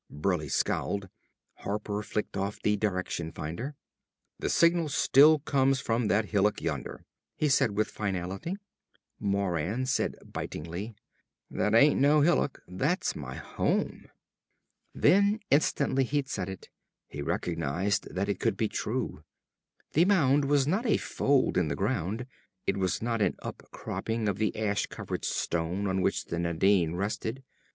Burleigh scowled. Harper flicked off the direction finder. "The signal still comes from that hillock yonder," he said with finality. Moran said bitingly; "That ain't no hillock, that's my home!" Then, instantly he'd said it, he recognized that it could be true. The mound was not a fold in the ground. It was not an up cropping of the ash covered stone on which the Nadine rested.